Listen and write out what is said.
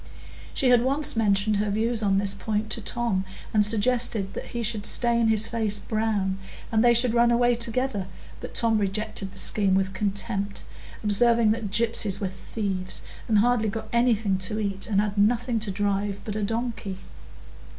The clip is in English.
She had once mentioned her views on this point to Tom and suggested that he should stain his face brown, and they should run away together; but Tom rejected the scheme with contempt, observing that gypsies were thieves, and hardly got anything to eat and had nothing to drive but a donkey.